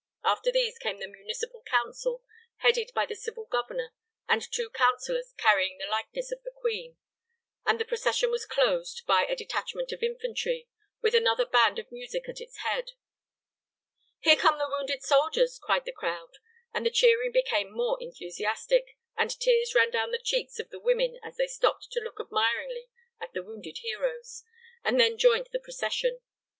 After these came the municipal council headed by the civil governor and two councillors carrying the likeness of the Queen, and the procession was closed by a detachment of infantry with another band of music at its head. "Here come the wounded soldiers!" cried the crowd, and the cheering became more enthusiastic, and tears ran down the cheeks of the women as they stopped to look admiringly at the wounded heroes, and then joined the procession.